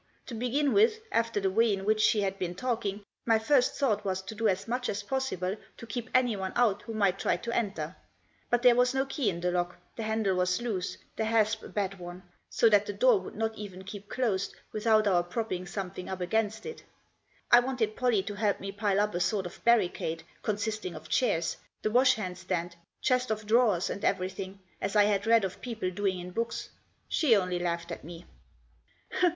To begin with, after the way in which she had been talking, my first thought was to do as much as possible to keep anyone out who might try to enter. But there was no key in the lock, the handle was loose, the hasp a bad one, so that the door would not even keep closed without our propping something up against it. I wanted Pollie to help me pile up a sort of barricade, consisting of chairs, the washhandstand, chest of drawers, and everything, as I had read of people doing in books. She only laughed at me.